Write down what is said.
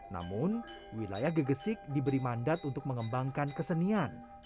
namun wilayah gegesik diberi mandat untuk mengembangkan kesenian